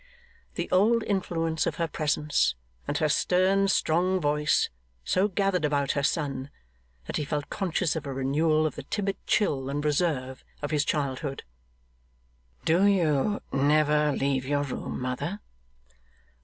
The old influence of her presence and her stern strong voice, so gathered about her son, that he felt conscious of a renewal of the timid chill and reserve of his childhood. 'Do you never leave your room, mother?